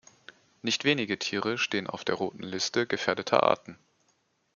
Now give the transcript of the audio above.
Nicht wenige Tiere stehen auf der roten Liste gefährdeter Arten.